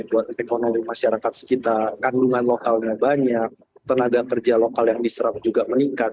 buat ekonomi masyarakat sekitar kandungan lokalnya banyak tenaga kerja lokal yang diserap juga meningkat